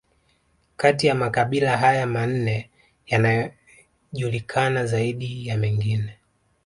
Kati ya makabila haya manne yanajulikana zaidi ya mengine